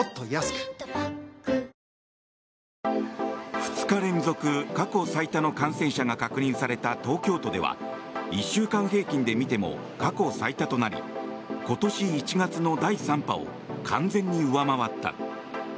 ２日連続、過去最多の感染者が確認された東京都では１週間平均で見ても過去最多となり今年１月の第３波を完全に上回った。